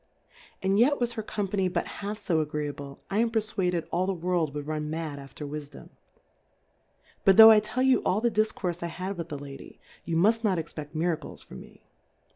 And yet was her Company but half fo agreeable. 1 am perfwaded all the World wou'd run Mad after Wifdom. But, tho' I tell you all the Difcourfe I Jiad with tlie Lady, youmuft not expe£t Miracles . from me.